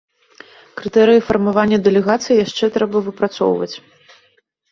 Крытэрыі фармавання дэлегацыі яшчэ трэба выпрацоўваць.